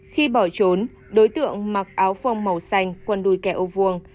khi bỏ trốn đối tượng mặc áo phong màu xanh quần đuôi kẹo vuông